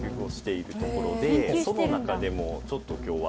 その中でもちょっと今日は。